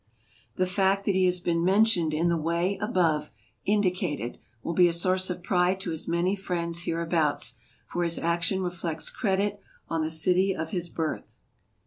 The fact that he has been mentioned in the way above indicated will be a source of pride to his many friends hereabouts, for his action reflects credit on the city of his birth.